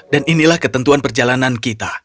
dan inilah ketentuan perjalanan kita